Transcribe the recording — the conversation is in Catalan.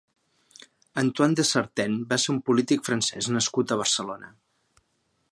Antoine de Sartine va ser un polític francès nascut a Barcelona.